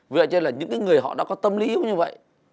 vì vậy nên là những cái người họ đã có tâm lý như vậy